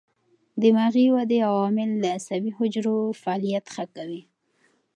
دماغي ودې عوامل د عصبي حجرو فعالیت ښه کوي.